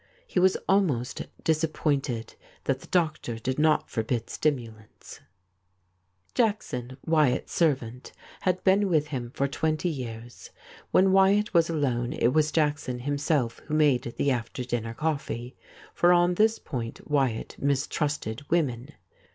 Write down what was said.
He was almost disappointed that the doctor did not forbid stimulants. Jackson, W)^att's servant, had been with him for twenty years. When Wyatt was alone it was Jack 38 THIS IS ALL son himself who made the after dinner coffee — for on this point M^yatt mistrusted women.